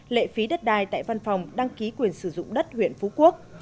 lệ phí đất đai tại văn phòng đăng ký quyền sử dụng đất huyện phú quốc